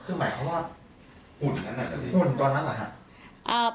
คือหมายความว่าอุ่นตอนนั้นหรือ